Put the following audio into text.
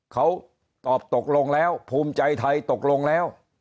เขาตอบตกลงแล้วภูมิใจไทยตกลงแล้ว